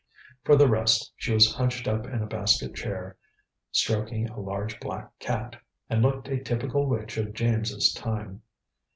For the rest, she was hunched up in a basket chair, stroking a large black cat, and looked a typical witch of James's time.